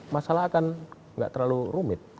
masalah akan nggak terlalu rumit